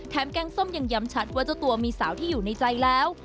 แกงส้มยังย้ำชัดว่าเจ้าตัวมีสาวที่อยู่ในใจแล้ว